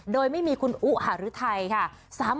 โดยไม่มีคุณอุหารือไทยค่ะ